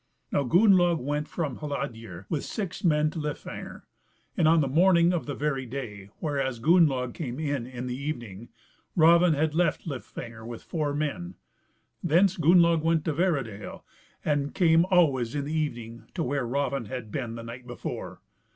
Now Gunnlaug went from Hladir with six men to Lifangr; and, on the morning of the very day whereas Gunnlaug came in in the evening, Raven had left Lifangr with four men. Thence Gunnlaug went to Vera dale, and came always in the evening to where Raven had been the night before.